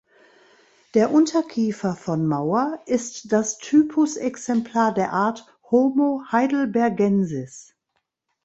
Der Unterkiefer von Mauer ist das Typusexemplar der Art "Homo heidelbergensis".